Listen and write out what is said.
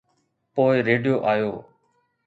پوءِ ريڊيو آيو.